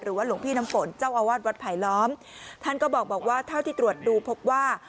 หรือว่าหลวงพี่น้ำฝนเจ้าอาวาสวัตรภายล้อมท่านก็บอกบอกว่าเท่าที่ตรวจดูพบว่า